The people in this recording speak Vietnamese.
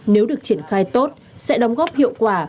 nếu được triển khai tốt sẽ đóng góp hiệu quả